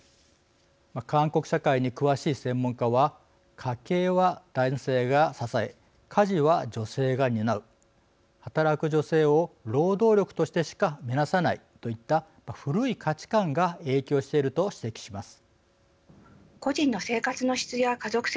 韓国社会に詳しい専門家は「家計は男性が支え家事は女性が担う」「働く女性を労働力としてしか見なさない」といった古い価値観が影響していると指摘します。